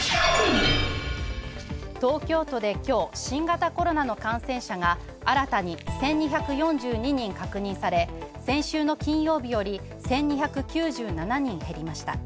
東京都で今日、新型コロナの感染者が新たに１２４２人確認され、先週の金曜日より、１２９７人減りました。